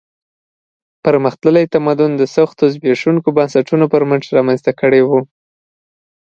پرمختللی تمدن د سختو زبېښونکو بنسټونو پر مټ رامنځته کړی و.